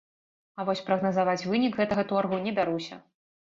А вось прагназаваць вынік гэтага торгу не бяруся.